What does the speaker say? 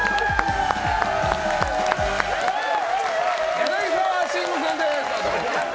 柳沢慎吾さんです！